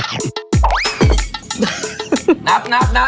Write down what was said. งานซานด้วย